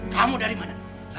kamu dari mana